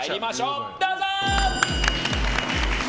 どうぞ！